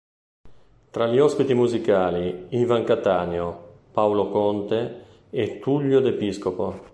Tra gli ospiti musicali Ivan Cattaneo, Paolo Conte e Tullio De Piscopo.